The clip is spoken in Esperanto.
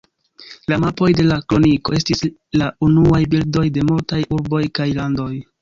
La mapoj de la Kroniko estis la unuaj bildoj de multaj urboj kaj landoj.